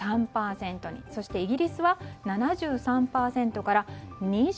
そして、イギリスは７３％から２１％。